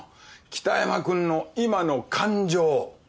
北山君の今の感情！